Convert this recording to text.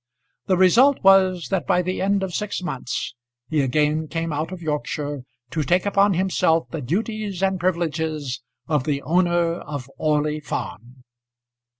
The result was that by the end of six months he again came out of Yorkshire to take upon himself the duties and privileges of the owner of Orley Farm.